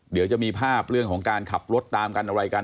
เดี๋ยวจะมีภาพเรื่องของการขับรถตามกันอะไรกัน